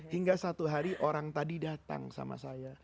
hingga satu hari orang tadi datang sama saya